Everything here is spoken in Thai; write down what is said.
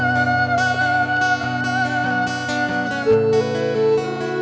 เรารู้อีกทุกอย่างแล้ว